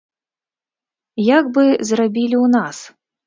Як бы зрабілі ў нас?